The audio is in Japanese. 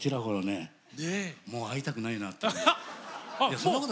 もう会いたくないなっていう。